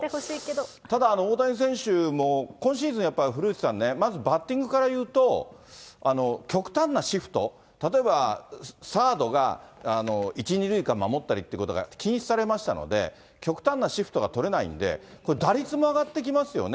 ただ、大谷選手も今シーズン、やっぱ古内さんね、まずバッティングからいうと、極端なシフト、例えば、サードが１、２塁間を守ったりということが禁止されましたので、極端なシフトが取れないんで、これ、打率も上がってきますよね。